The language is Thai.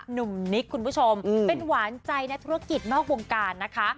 หนุ่มนิกคุณผู้ชมเป็นหวานใจนักธุรกิจนอกวงการนะคะ